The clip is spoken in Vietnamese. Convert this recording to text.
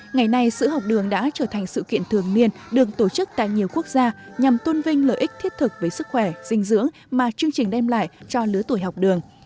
ngày nay sữa học đường đã trở thành sự kiện thường niên được tổ chức tại nhiều quốc gia nhằm tôn vinh lợi ích thiết thực với sức khỏe dinh dưỡng mà chương trình đem lại cho lứa tuổi học đường